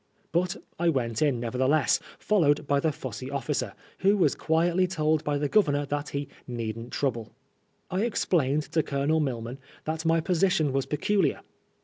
But I went in, nevertheless, followed by the fussy officer, who was quietly told by the Governor that he " needn't trouble." I explained to Colonel Milman that my position was peculiar.